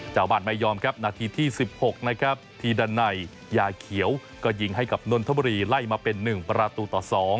เจ้าบ้านไม่ยอมครับนาทีที่๑๖นะครับทีดันไนยาเขียวก็ยิงให้กับนนทบุรีไล่มาเป็น๑ประตูต่อ๒